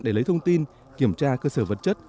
để lấy thông tin kiểm tra cơ sở vật chất